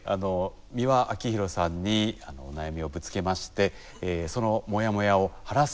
美輪明宏さんにお悩みをぶつけましてそのモヤモヤを晴らす